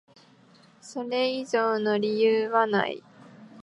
それ以上の理由はない。